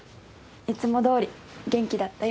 いつもどおり元気だったよ。